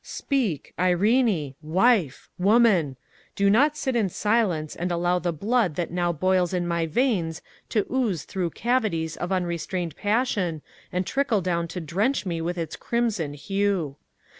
"Speak! Irene! Wife! Woman! Do not sit in silence and allow the blood that now boils in my veins to ooze through cavities of unrestrained passion and trickle down to drench me with its crimson hue!